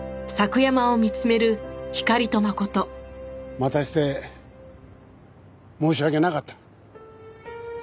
待たせて申し訳なかった。